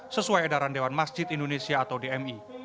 sesuai edaran dewan masjid indonesia atau dmi